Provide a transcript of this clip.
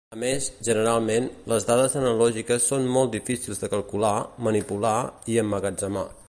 A més, generalment, les dades analògiques són molt difícils de calcular, manipular i emmagatzemar.